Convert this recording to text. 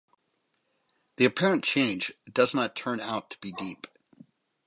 The apparent change does not turn out to be deep.